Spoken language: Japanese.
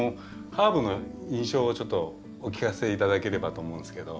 ハーブの印象をちょっとお聞かせ頂ければと思うんですけど。